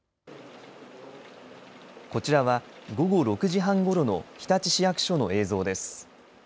こちらは午後６時半ごろの日立市役所の映像です。